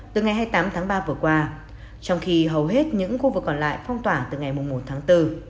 từ ngày hai mươi tám tháng ba vừa qua trong khi hầu hết những khu vực còn lại phong tỏa từ ngày một tháng bốn